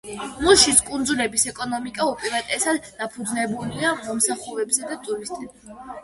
მუშის კუნძულების ეკონომიკა უპირატესად დაფუძნებულია მომსახურებაზე და ტურიზმზე.